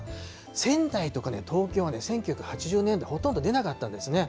仙台とかね、東京は１９８０年代、ほとんど出なかったんですね。